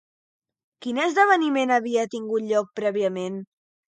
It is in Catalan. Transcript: Quin esdeveniment havia tingut lloc prèviament?